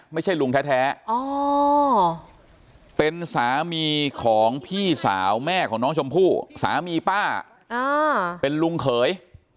ไม่ใช่ลุงแท้เป็นสามีของพี่สาวแม่ของน้องชมพู่สามีป้าเป็นลุงเขย